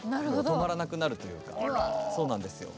止まらなくなるというかそうなんですよ。